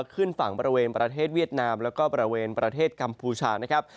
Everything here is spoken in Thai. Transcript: ขึ้นฝั่งบริเวณประเทศเวียดนามแล้วก็บริเวณประเทศกัมพูชานะครับ